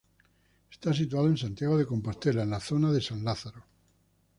Está situado en Santiago de Compostela, en la zona de San Lázaro.